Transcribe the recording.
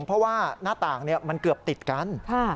เพราะว่าหน้าต่างมันเกือบติดกัน